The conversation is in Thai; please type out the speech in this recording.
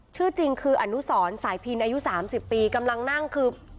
ชื่อจริงคืออนุสรสายพินอายุ๓๐ปีกำลังนั่งคือ